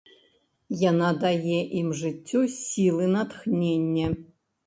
Яна дае ім жыццё, сілы, натхненне.